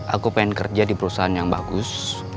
aku pengen kerja di perusahaan yang bagus